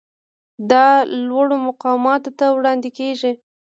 دا لوړو مقاماتو ته وړاندې کیږي.